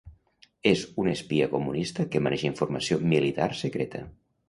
És un espia comunista que maneja informació militar secreta.